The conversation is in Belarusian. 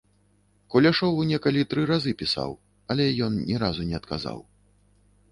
Куляшову некалі тры разы пісаў, але ён ні разу не адказаў.